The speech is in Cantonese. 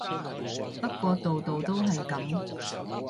不過度度都係噉